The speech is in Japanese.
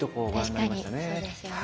確かにそうですよね。